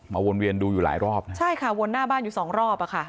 วนเวียนดูอยู่หลายรอบนะใช่ค่ะวนหน้าบ้านอยู่สองรอบอ่ะค่ะ